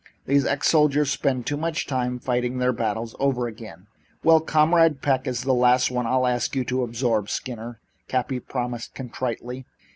These ex soldiers spend too much time fighting their battles over again." "Well, Comrade Peck is the last one I'll ask you to absorb, Skinner," Cappy promised contritely.